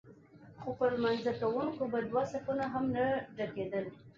خو پر لمانځه کوونکو به دوه صفونه هم نه ډکېدل.